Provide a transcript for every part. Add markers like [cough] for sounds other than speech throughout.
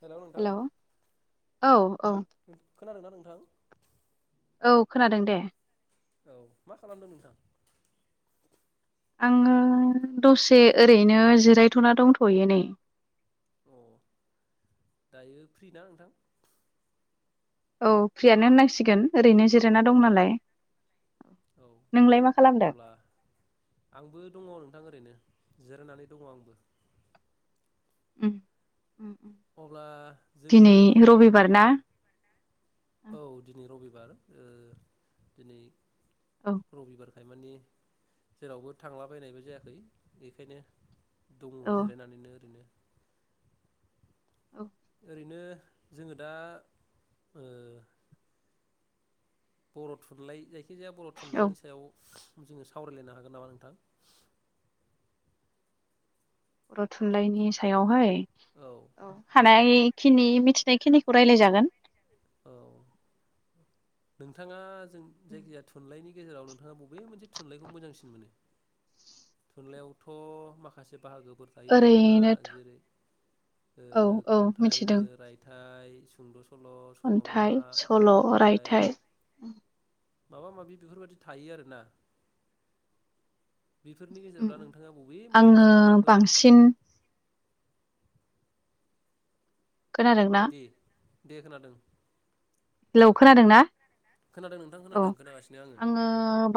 Hello hello नोंथां औ औ खोनादों ना नोंथां औ खोनादों दे। औ मा खालामदों नोंथां आङो दसे ओरैनो जिरायथ'ना दंथ'यो नै अ' दायो फ्रि ना नोंथां औ फ्रियानो होननांसिगोन ओरैनो जिरायना दं नालाय। औ नोंलाय मा खालामदों अब्ला आंबो दङ नोंथां ओरैनो जिरायनानै दङ' आंबो उम अब्ला जोङो दिनै रबिबार ना औ दिनै रबिबार रबिबार दिनै औ रबिबार मानि जेरावबो थांलाबायनायबो जायाखै बेखायनो। दङ औ जिरायनानैनो ओरैनो। औ। ओरैनो जोङो दा ओ बर' थुनलाइ जायखि खिजाया बर' औ थुनलाइनि सायाव जोङो सावरायलायनो हागोन नामा नोंथां? बर' थुनलाइनि सायावहाय। औ हानाय। खिनि मिथिनाय खिनिखौ रायलाय जागोन। औ नोंथाङा। जों जायिख जाया थुनलाइनि। नि गेजेराव नोंथाङा बबे मोनसे थुनलाइखौ मोजांसिन मोनो। थुनलाइयावथ' माखासे बाहागो। फोर थायो नङा होमबा ओरैनोथ' जेरै ओ औ औ खन्थाइनो मिथिदों रायथाइ। सुंद स। खन्थाइ सल' रायथाइ। माबा माबि बेफोर बायदि थायो आरो ना। बेफोरनि गेजेराव दा नोंथाङा बबे मोनसे आङो थुनलाइखौ। बांसिन खोनादोंना। दे दे खोनादों। हेलौ खोनादों ना। खोनादों नोंथां औ खोनादों खोनागासिनो आङो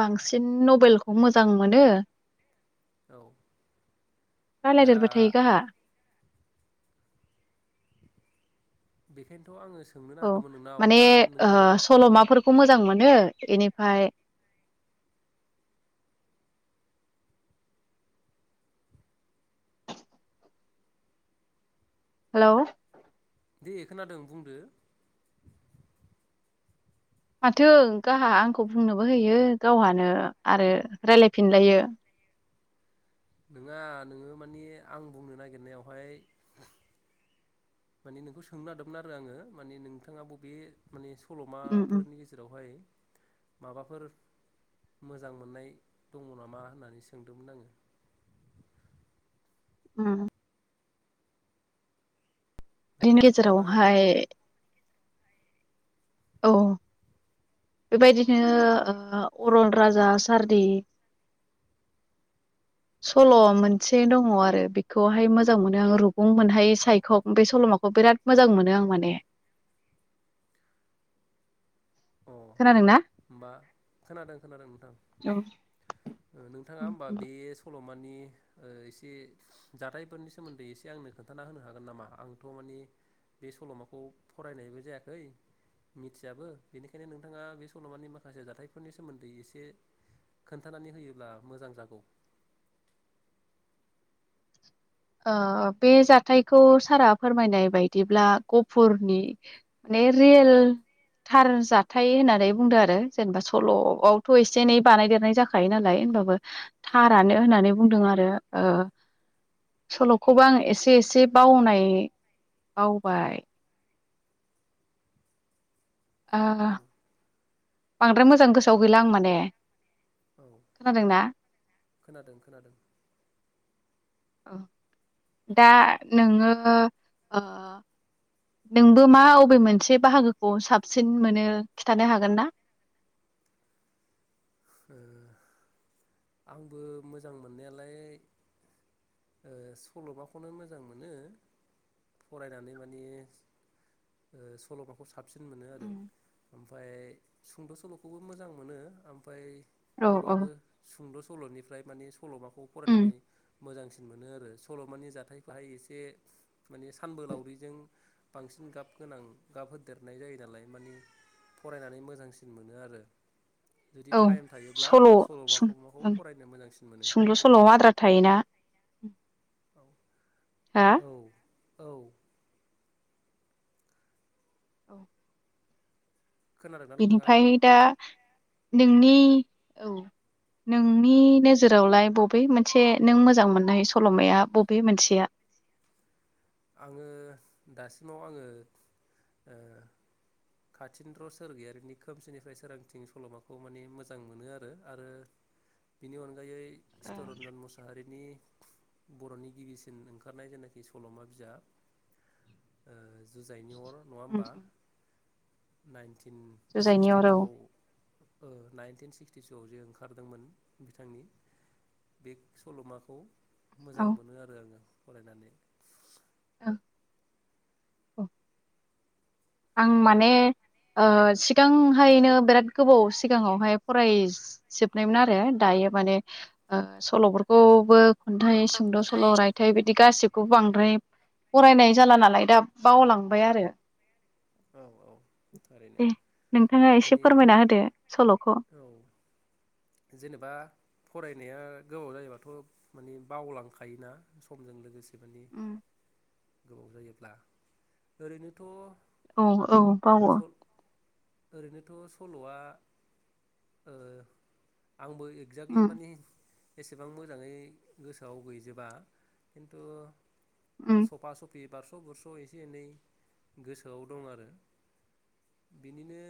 बांसिन। बेलखौ मोजां मोनो। औ। दा राय्लायदेरबाय थायो गाहा। बेखायनोथ' आङो। सोंनो औ नागिरदोंमोन नोंनाव माने दा ओ नोङो सल'माफोर। मोजां मोनो एनिफाय। हेलौ। दे खोनादों बुंदो। माथो गाहा आंखौ बुंनोबो होयो गावहानो आरो राय्लायफिनलायो। नोङा नोङो मानिे आं बुंनो नागिरनायावहाय। माने नोंखौ सोंनो नागिरदोंमोन आरो आङो माने नोंथाङा बबे माने। उम उम सल'माफोरनि गेजेरावहाय। माबाफोर मोजां मोननाय दङ नामा होननानै सोंदोंमोन आङो। उम। बिनि नोंथाङा गेजराव खोन्थाना होदो हाय। औ बेबायदिनो ओ अरन राजा सारदि सल' मोनसे दङ आरो बेखौहाय मोजां मोनो आं रुगुं मोनहाय सायख' बे सल'माखौ बिराद मोजां मोनो आं माने। अ खोनादोंना होमबा खोनादों खोनादों नोंथां। औ नोंथाङा उम होमबा उम बे सल' मानि एसे जाथायफोरनि सोमोन्दै एसे आंनो खोन्थाना होनो हागोन नामा? आंथ' मानि बे सल'माखौ फरायनायबो जायाखै मिथियाबो। बेनिखायनो नोंथाङा बे सल'मानि माखासे जाथायफोरनि सोमोन्दै एसे खोन्थानानै होयोब्ला मोजां जागौ। ओ बे जाथायखौ सारा फोरमायनाय बायदिब्ला, गफुरनि माने रियेल थार जाथायाइ होननानै बुंदों आरो जेनेबा सल'आवथ' एसे एनै बानायदेरनाय जाखायो नालाय होनबाबो थारानो होननानै बुंदों आरो। सल'खौबो आं एसे एसे बावनाय बावबाय। आ औ बांद्राय मोजां गोसोआव गैला आं माने। औ खोनादोंना खोनादों खोनादों। औ दा नोङो नोंबो मा अबे मोनसे बाहागोखौ साबसिन मोनो खिन्थानो हागोन ना? आंबो मोजां मोननायालाय सल'माखौनो मोजां मोनो। फरायनानै मानिे सल'माखौ साबसिन मोनो आरो ओमफफ्राय सुंद' सल'खौबो मोजां मोनो। ओमफ्राय औ औ अब्लाबो सुंद' सल'निफ्राय माने सल'माखौ उम फरायनानै मोजांसिन बांन मोनो आरो सल' मानि जाथाय फाहाय एसे माने सानबोलावरिजों बांसिन गाब गोनां गाब होदेरनाय जायो नालाय। माने फरायनानै मोजांसिन मोनो आरो। जुदि औ टाइम थायोब्ला सल' सल'माखौ माखौ औ फरायनो मोजांसिन मोनो सुंद' सल' आद्रा थायोना? उम औ हा औ औ खोनादोंना नोंथाङा बिनिफ्राय दा नोंनि औ नोंनि नोजोरावलाय बबे मोनसे नों मोजां मोननाय सल'माया बबे मोनसेया? आङो दासिमाव आङो, काथिन्द्र' सोरगियारिनि खोमसिनिफ्राय सोरांथिं सल'माखौ माने मोजां मोनो आरो, आरो बिनि अनगायै चितरन्जन मुसाहारिनि बर'नि गिबिसिन ओंखारनाय जेनाखि सल'मा। [unintelligible] ओ जुजाइनि अर। नङा उम होमबा? नाइन्टि जुजाइनि अराव सिक्सटिथुआव ओ नाइनटिन सिटिसोआव जे ओंखारदोंमोन बिथांनि बे सल'माखौ मोजां औ मोनो आरो आङो। फरायनानै औ औ आं माने, सिगांहायनो बिराद गोबाव सिगाङावहाय फरायजोबनायमोन आरो। दायो माने सल'फोरखौबो खन्थाइ सुंद' सल' खन्थाइ रायथाइ बिदि गासिबो खौ बांद्राय फरायनाय जाला नालाय दा बावलांबाय आरो औ औ ओरैनो दे नोंथाङा एसे माने फोरमायना होदो सल'खौ औ जेनेबा फराय नाया गोबाव जायोबाथ' मानि बावलांखायोना समजों लोगोसे माने उम गोबाव जायोब्ला ओरैनोथ' औ औ बावो। सल ओरैनोथ' सल'आ औ आंबो एक्जेक्टलि उम माने एसेबां मोजाङै गोसोआव गैजोबा खिन्थु उम सफा सफि बार स' बुरस' एसे एनै गोसो सोआव दं आरो बिनिनो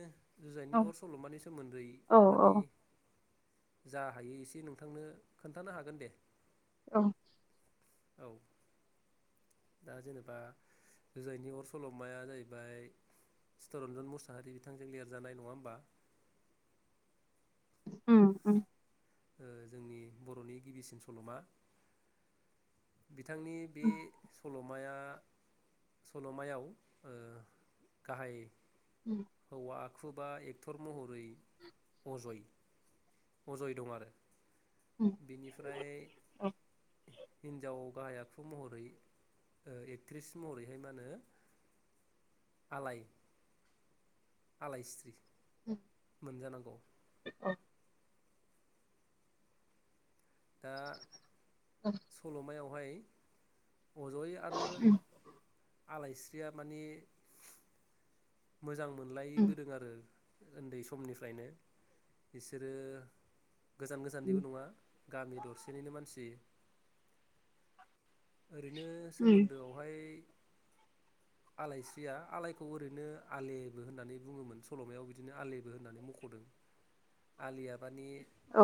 जुजाइनि औ अर सल'मानि सोमोन्दै औ मानि औ जा हायो एसे नोंथांनो खोन्थानो हागोन दे। औ औ दा जेनेबा जुजायनि अर सल'माया जाहैबाय चितिरन्जन मुसाहारि बिथांजों लिरजानाय नङा होमबा। उम उम ओ जोंनि बर'नि गिबिसिन सल'मा बिथांनि बे उम सल' माया सल'मायाव ओ गाहायै हौवा आखुबा एक्टर महरै अजय अजय दं आरो उम बेनिफ्राय औ हिनजाव गाहाय आखु महरै एकट्रिस महरैहाय मा होनो आलाय आलायस्रि मोनजानांगौ अ दा सल'मायाव हाय अजय आरो उम आलायस्रिया माने मोजां उम मोनलायबोदों आरो उन्दै समनिफ्रायनो बिसोरो गोजान गोजाननिबो नङा गामि दरसेनिनो मानसि ओरैनो सोमोन्दोआवहाय आलायस्रिया आलायखौ ओरैनो आलेबो होननानै बुङोमोन। सल'मायाव बिदिनो आलेबो होननानै मख'दों। आलिया मानि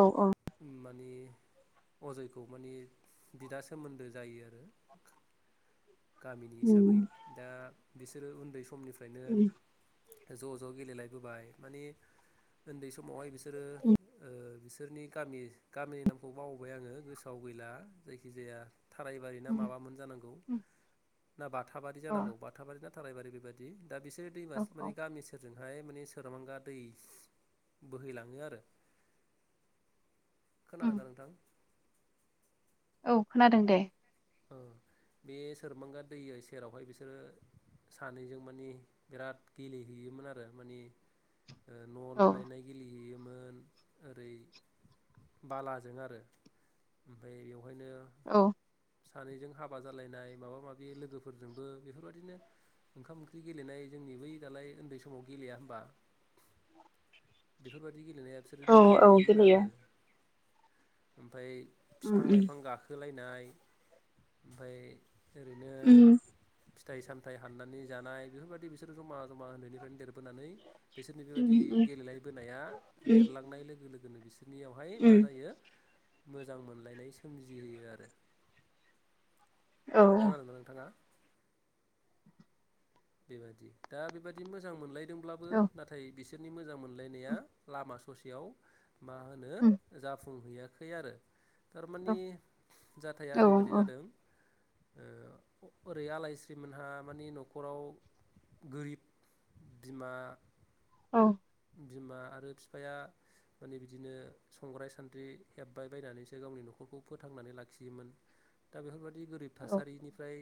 औ औ मानि अजयखौ मानि बिदा सोमोन्दो जायो आरो गामिनि हिसाबै उम दा बिसोरो उन्दै स समनिफ्रायनो उम ज' ज' गेलेलायबोबाय माने उन्दै समावहाय बिसोरो ओ बिसोरनि गामि गामिनि नामखौ बावबाय आङो गोसोआव गैला जायखि जाया थारायबारि ना उम माबामोन जानांगौ। उम ना बाथाबारि औ जानांगौ बाथाबारि ना थारायबारि बेबायदि दा बिसोरो औ दैमासि माने औ गामि सोर जोंहाय माने सोरमांगा दै बोहैलाङो आरो। खोनादों उम ना नोंथां? औ खोनादों दे। ओ बे सोरमांगा दै सेरावहाय बिसोरो सानैजों माने बिराद गेलेहैयोमोन आरो माने ओ न' औ लुलायनाय गेलेहैयो। मोन आरै बालाजों आरो ओमफाय इयाव बहायनो औ सानैजों हाबा जालायनाय माबा माबि लोगोफोरजोंबो बेफोरबायदिनो ओंखाम ओंख्रि गेलेनाय जोंनि बै दालाय उन्दै समाव गेलेया होनबा बेफोरबाद दि गेलेनाया बिसोरो औ औ गेलेहैयोमोन गेलेयो आरो। ओमफाय उम फिफां उम लाइफां गाखोलाय नाय ओमफाय ओरैनो उम थाइ सामथाइ हाननानै जानाय बेफोरबायदि बिसोर जमा जमा उन्दैनिफ्रायनो देरबोनानै बिसोरनि बेबायदि उम गेलेलाय बोनाया उम देरलांनाय लोगो लोग गोनोगोस नियावहाय मा उम उम जायो मोजां मोनलायनाय सोमजिहोयो आरो। औ खोनादोंना नोंथाङा? बे बायदि दा बे बायदि मोजां मोनलाय दोंब्लाबो औ नाथाय बिस बिसोरनि मोजां मोन नाया उम लामा स ससेयाव। मा होनो उम जाफुंहैया। खै आरो। औ थारमानि जाथाया औ ओरैबादि जादों। ओ- ओरै आलायस्रिमोनहा मानि न'ख खराव गोरिब बिमा। औ। बिमा आरो फिफाया माने बिदिनो संग्राय-सान्द्रि हेबबाय बायनानैसो गावनि न'खरखौ फोथांनानै लाखियोमोन दा बेफोरबायदि दि गोरिब औ थासारिनिफ्राय।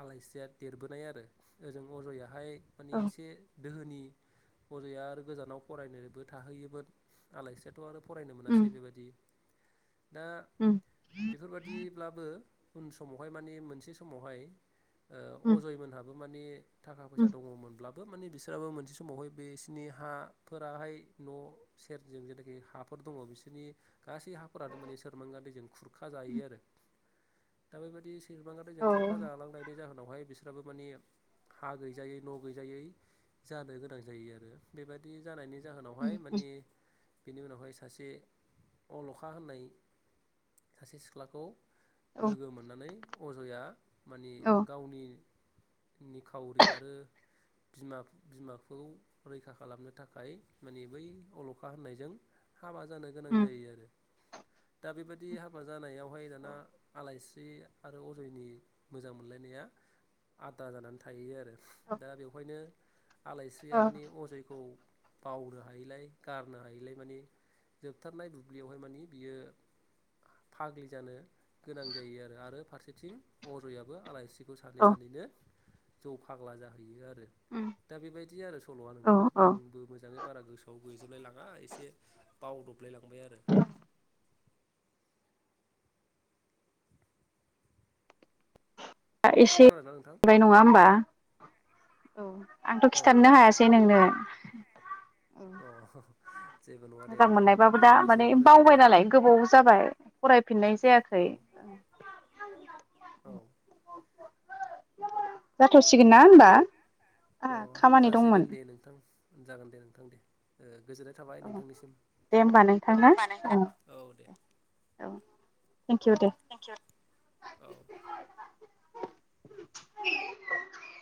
आलायस्रिया देरबोनाय आरो ओजों अजयाहाय। माने औ एसे। दोहोनि। अजया आरो गोजानाव फरायनोबो थाहैयोमोन आलास्रियाथ' आरो। फरायनो उम मोनासै बेबादि। दा उम बेफोरबादिब्लाबो। उन समावहाय माने मोनसे समावहाय। ओ- उम अजय मोनहाबो। माने। थाखा फैसा दङमोनब्लाब बो माने बिसोराबो मोनसे समावहाय बे नि हा फोराहाय न' सेरजों जेनाखि हाफोर दङ बिसोरनि। गासै हाफोरानो माने सोरमांगा दैजों खुरखा जायो उम आरो। दा बेबायबादि सिरबांगा दैजों खुरखा औ जालांनाय जा उनावहाय बिस्राबो माने हा गैजायै न' गैजायै जानो गोनां जायो आरो। बेबायाददि जानायनि। जाहोनावहाय माने। बेनि उनावहाय सासे अलखा होननाय सासे सिख्लाखौ। लोगो मोननानै। अजया। माने गावनि। निखावरि आरो बिमा- बिमाखौ। रैखा खालामनो थाखाय माने बै अलखा होननायजों। हाबा जानो गोनां जायो आरो दा बेबायदि दि हाबा जानायाव ओमहाय दाना आलाइस [unintelligible] आरो अजयनि मोजां मोनलायनाया आद्रा जानानै थायो आरो दा बेवहायनो औ आलायस्रिया माने खौ बावनो हायिलाय गारनो हायिलाय मानि जोबथारनाय बुब्लियावहाय मानि बियो फाग्लि जानो गोनां जायो आरो आरो फारसेथिं अजयाबो आलायसि खौ सानै औ सानैनो जौ फाग्ला जाहैयो आर उम, दा बेबायदि आरो सल'आ नों औ नोंथां औ आंबो मोजाङै बारा गोसोआव गैजोबलाय लाङा एसे बावदबलाय लांबाय आरो दा एसे खोनादोंना नोंथां मोनबाय नङा होमबा औ आंथ' औ खिथानोनो हायासै नोंनो [inaudible] अ जेबो नङा दे मोजां नोंथां मोननायबाबो दा उननि माने समाव आरो बावबाय जोङो नालाय गोबाव जाबाय फरायफिननाय जायाखै। औ औ जाथावसिगोन ना होमबा? अ आहा खामानि जासिगोन दंमोन दे नोंथां जागोन दे नोंथां दे ओ गोजोननाय थाबाय औ नोंथांनिसिम दे होमबा नोंथां ना औ दे। [inaudible] औ [inaudible]